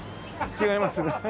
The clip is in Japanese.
「違います」。